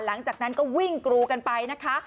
หลังจากนั้นก็วิ่งกรูกันไปนะคะ